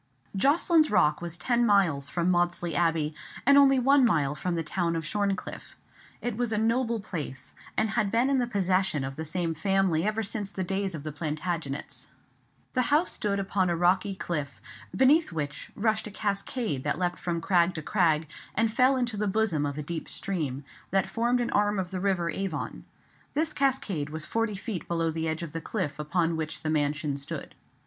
Jocelyn's Rock was ten miles from Maudesley Abbey, and only one mile from the town of Shorncliffe. It was a noble place, and had been in the possession of the same family ever since the days of the Plantagenets. The house stood upon a rocky cliff, beneath which rushed a cascade that leapt from crag to crag, and fell into the bosom of a deep stream, that formed an arm of the river Avon. This cascade was forty feet below the edge of the cliff upon which the mansion stood.